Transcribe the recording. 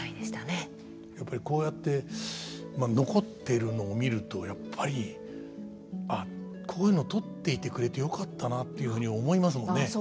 やっぱりこうやって残ってるのを見るとやっぱり「あっこういうの撮っていてくれてよかったな」っていうふうに思いますもんね。